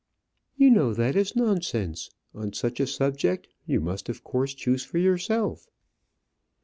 "You know that is nonsense: on such a subject you must of course choose for yourself."